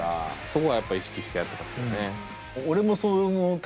そこはやっぱ意識してやってますよね。